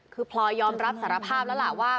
คือพลอยยอมรับสารภาพแล้วล่ะว่า